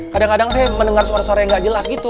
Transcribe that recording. kadang kadang saya mendengar suara suara yang gak jelas gitu